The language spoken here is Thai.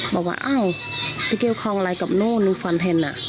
บอกว่าอ้าวไปเกี่ยวข้องอะไรกับโน่นหนูฝันเห็นน่ะ